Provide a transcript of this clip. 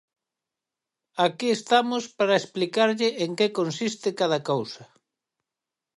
Aquí estamos para explicarlle en que consiste cada cousa.